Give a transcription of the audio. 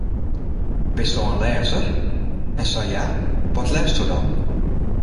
Bisto in lêzer? En sa ja, wat lêsto dan?